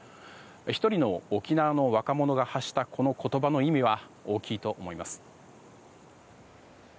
１人の沖縄の若者が発したこの言葉の意味は大きいと思います。